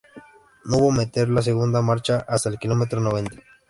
No pudo meter la segunda marcha hasta el kilómetro noventa.